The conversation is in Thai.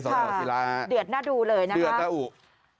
สอสสีลาเดือดหน้าดูเลยนะครับ